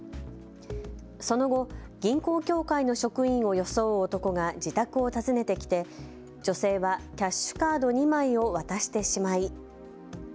その後、銀行協会の職員を装う男が自宅を訪ねてきて女性はキャッシュカード２枚を渡してしまい。